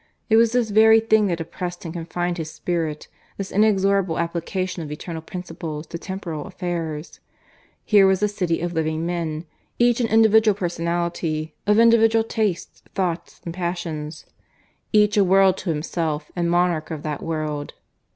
It was this very thing that oppressed and confined his spirit this inexorable application of eternal principles to temporal affairs. Here was a city of living men, each an individual personality, of individual tastes, thoughts, and passions, each a world to himself and monarch of that world.